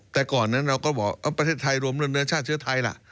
แต่ก่อนนั้นเราก็บอกประเทศไทยรวมเนื้อชาติเชื้อไทยล่ะ